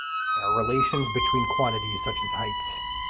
They are relations between quantities such as heights.